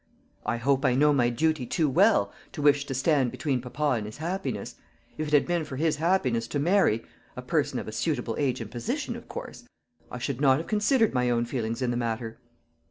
"I hope I know my duty too well, to wish to stand between papa and his happiness. If it had been for his happiness to marry a person of a suitable age and position, of course I should not have considered my own feelings in the matter."